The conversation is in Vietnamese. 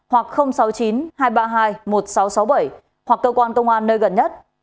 hoặc sáu mươi chín hai trăm ba mươi hai một nghìn sáu trăm sáu mươi bảy hoặc cơ quan công an nơi gần nhất